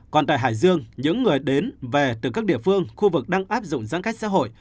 còn tại hải dương những người đến về từ các địa phương khu vực đang áp dụng giãn cách xã hội